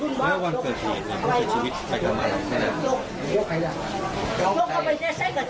ในวันเกิดที่ผู้ชายชีวิตไปกันมาแล้วใช่ไหม